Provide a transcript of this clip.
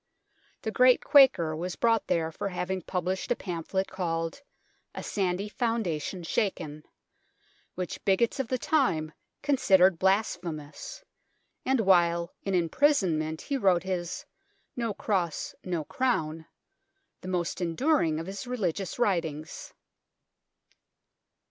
The great Quaker was brought there for having published a pamphlet called " A Sandy Foundation Shaken," which bigots of the time considered blasphemous, and while in imprisonment he wrote his " No Cross, no Crown," the most enduring of his religious writings.